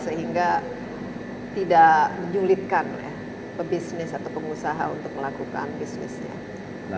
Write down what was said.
sehingga tidak menyulitkan ya pebisnis atau pengusaha untuk melakukan bisnisnya